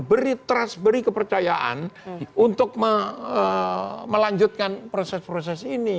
beri trust beri kepercayaan untuk melanjutkan proses proses ini